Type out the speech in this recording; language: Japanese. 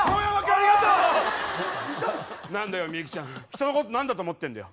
人のこと何だと思ってんだよ。